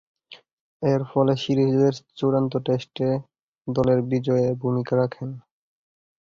এরফলে সিরিজের চূড়ান্ত টেস্টে দলের বিজয়ে ভূমিকা রাখেন।